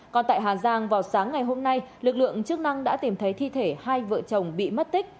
còn tại hà giang vào sáng ngày hôm nay lực lượng chức năng đã tìm thấy thi thể hai vợ chồng bị mất tích